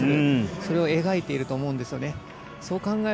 それを描いていると思うんですよね。